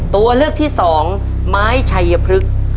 ตัวเลือกที่สองไม้ชัยพฤกษ์